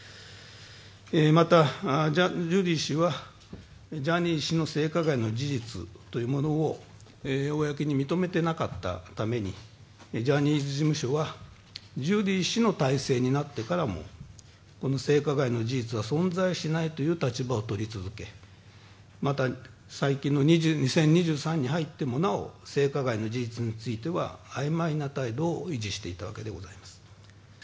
また、ジュリー氏はジャニー氏の性加害の事実というものを公に認めてなかったためにジャニーズ事務所はジュリー氏の体制になってからも性加害の事実が存在しないという立場を取り続け、また最近の２０２３年に入っても性加害の事実については、曖昧な態度を維持していたわけでございます。